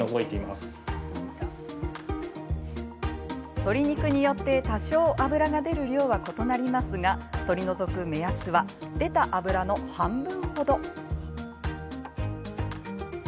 鶏肉によって多少脂が出る量は異なりますが取り除く目安は出た脂の半分程。